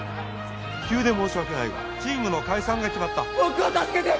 急で申し訳ないがチームの解散が決まった僕を助けて！